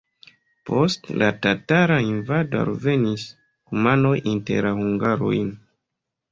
Post la tatara invado alvenis kumanoj inter la hungarojn.